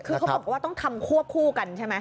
คือเขาบอกว่าต้องทำควบคู่กันใช่ไหม